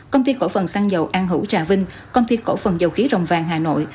công ty cổ phần xăng dầu an hữu trà vinh công ty cổ phần dầu khí rồng vàng hà nội